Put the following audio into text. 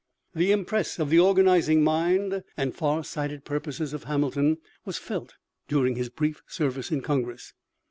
The impress of the organizing mind and far sighted purposes of Hamilton was felt during his brief service in Congress.